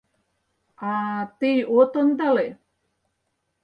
А... тый от ондале?